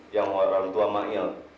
yang waran tua mail